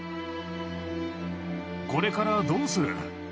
これからどうする？